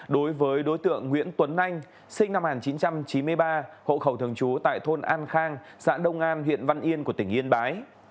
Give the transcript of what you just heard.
đối với đối tượng nguyễn tuấn anh sinh năm một nghìn chín trăm chín mươi ba hộ khẩu thường trú tại thôn an khang xã đông an huyện văn yên của tỉnh yên bái